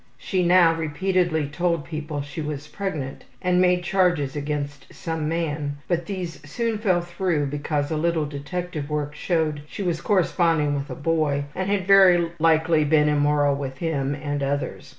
She now repeatedly told people she was pregnant and made charges against some man, but these soon fell through because a little detective work showed she was corresponding with a boy and had very likely been immoral with him and others.